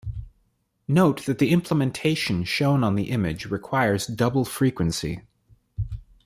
Note that the implementation shown on the image requires double frequency.